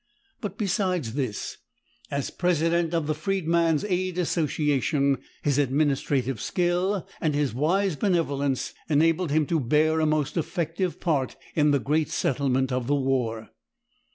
But, besides this, as president of the Freedman's Aid Association his administrative skill and his wise benevolence enabled him to bear a most effective part in the great settlement of the war.